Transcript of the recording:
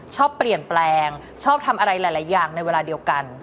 ชอบเปลี่ยนแปลงชอบทำอะไรหลายอย่างในเวลาเดียวกัน